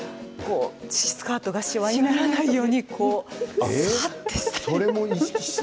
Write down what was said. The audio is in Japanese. スカートがしわにならないようにさーってして。